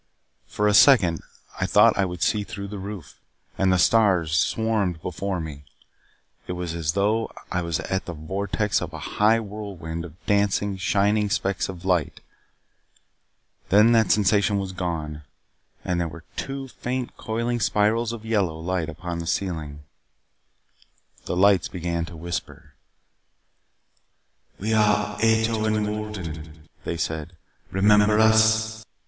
For a second I thought I could see through the roof, and the stars swarmed before me. It was as though I was at the vortex of a high whirlwind of dancing, shining specks of light. Then that sensation was gone, and there were two faint coiling spirals of yellow light upon the ceiling. The lights began to whisper. "We are Ato and Wolden," they said. "Remember us?"